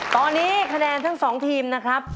ตอนนี้คะแนนทั้ง๒ทีมนะครับ